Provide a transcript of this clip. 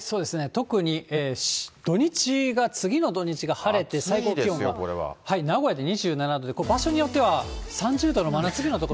特に土日が、次の土日が晴れて、最高気温、名古屋で２７度で、ここ場所によっては、３０度の真夏日の所。